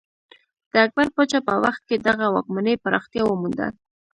د اکبر پاچا په وخت کې دغه واکمنۍ پراختیا ومونده.